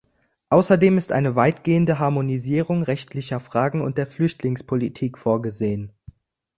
Außerdem ist eine weitgehende Harmonisierung rechtlicher Fragen und der Flüchtlingspolitik vorgesehen.